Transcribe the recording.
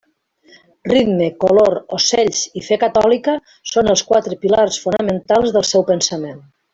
Ritme, color, ocells i fe catòlica són els quatre pilars fonamentals del seu pensament.